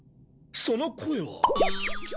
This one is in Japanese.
その声は。